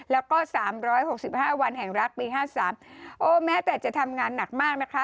แล้วก็๓๖๕วันแห่งรักปี๕๓โอ้แม้แต่จะทำงานหนักมากนะคะ